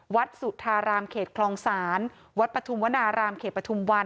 สุธารามเขตคลองศาลวัดปฐุมวนารามเขตปฐุมวัน